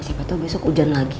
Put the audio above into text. siapa tau besok hujan lagi